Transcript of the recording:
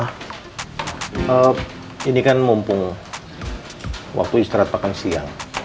tapi kalau ada apa apa